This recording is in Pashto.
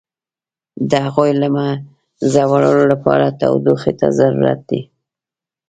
د هغوی له منځه وړلو لپاره تودوخې ته ضرورت دی.